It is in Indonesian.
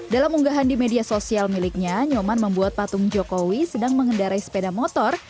dalam unggahan di media sosial miliknya nyoman membuat patung jokowi sedang mengendarai sepeda motor